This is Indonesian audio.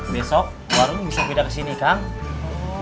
besok warung besok berangkutan daurah kami